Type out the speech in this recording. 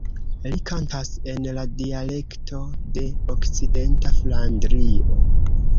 Li kantas en la dialekto de Okcidenta Flandrio.